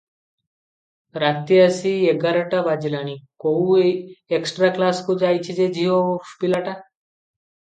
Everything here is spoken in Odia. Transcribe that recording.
ରାତି ଆସି ଏଗାରଟା ବାଜିଲାଣି କୋଉ ଏକ୍ସଟ୍ରା କ୍ଲାସକୁ ଯାଇଛିଯେ ଝିଅ ପିଲାଟା?